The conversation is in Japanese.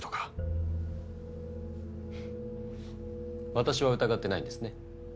私は疑ってないんですね。